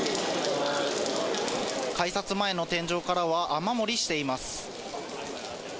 改札前の天井からは、雨漏りしています。